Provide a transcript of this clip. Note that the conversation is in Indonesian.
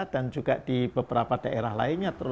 dan juga di beberapa daerah lainnya